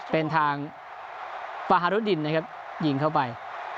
เป็นทางปาฮารุดินนะครับยิงเข้าไป